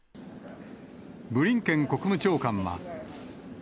ブリンケン国務長官は。